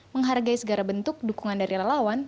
menghargai segala bentuk dukungan dari relawan